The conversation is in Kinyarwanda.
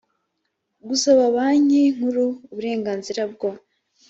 gusaba banki nkuru uburenganzira bwo